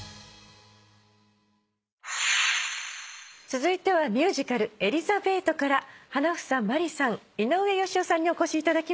続いてはミュージカル『エリザベート』から花總まりさん井上芳雄さんにお越しいただきました。